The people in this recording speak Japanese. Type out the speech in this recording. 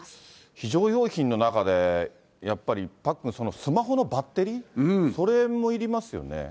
非常用品の中でやっぱりパックン、スマホのバッテリー、それもいりますよね。